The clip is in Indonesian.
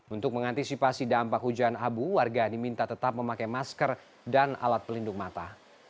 untuk mengantisipasi dampak hujan abu warga diminta tetap memakai masker dan alat pelindung mata